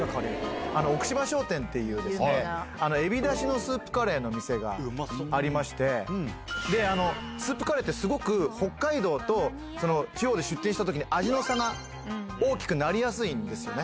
奥芝商店っていう、エビだしのスープカレーの店がありまして、スープカレーって、すごく、北海道と地方で出店したときに味の差が大きくなりやすいんですよね。